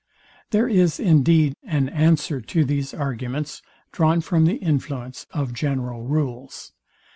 There is, indeed, an answer to these arguments, drawn from the influence of general rules.